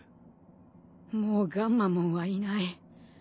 もうガンマモンはいない。